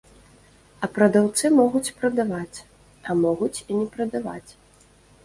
А прадаўцы могуць прадаваць, а могуць і не прадаваць.